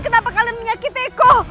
kenapa kalian menyakitiku